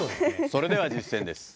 それでは実践です。